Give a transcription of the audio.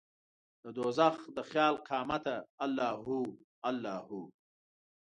ددوږخ د خیال قیامته الله هو، الله هو